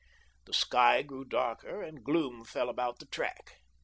The sky grew darker, and gloom fell about the track.